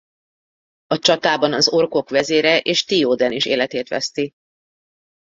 A csatában az orkok vezére és Théoden is életét veszti.